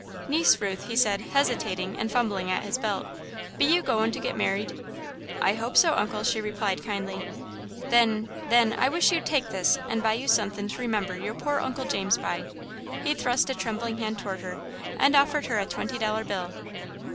"Niece Ruth," he said, hesitating and fumbling at his belt, "be you goin' to get merried?" "I hope so, Uncle," she replied kindly. "Then then I wish you'd take this and buy you sunthin' to remember your pore old Uncle James by." He thrust a trembling hand toward her, and offered her a twenty dollar bill.